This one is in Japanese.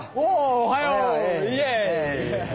おはよう！